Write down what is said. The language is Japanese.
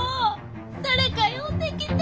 誰か呼んできて。